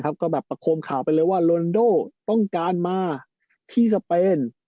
ก็ประโขลมข่าวไปเลยโรนโด้ต้องการมาที่สเปน